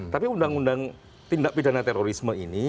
tapi undang undang tindak pidana terorisme ini